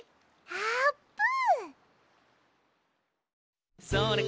あーぷん！